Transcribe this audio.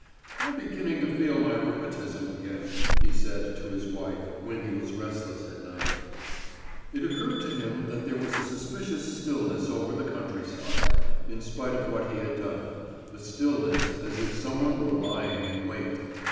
"I'm beginning to feel my rheumatism again," he said to his wife, when he was restless at night. It occurred to him that there was a suspicious stillness over the country side, in spite of what he had done a stillness as if some one were lying in wait.